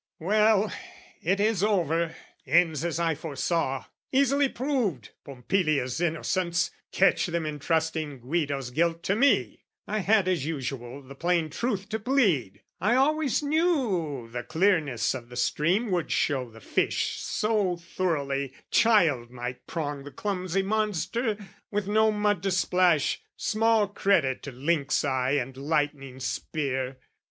"Well, it is over, ends as I foresaw: "Easily proved, Pompilia's innocence! "Catch them entrusting Guido's guilt to me! "I had, as usual, the plain truth to plead. "I always knew the clearness of the stream "Would show the fish so thoroughly, child might prong "The clumsy monster: with no mud to splash, "Small credit to lynx eye and lightning spear!